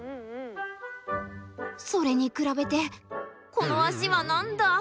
それに比べてこの脚は何だ。